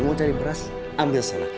mau cari beras ambil sana